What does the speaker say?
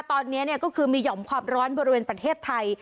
ตอนนี้ก็คือมีห่อมความร้อนบริเวณประเทศไทย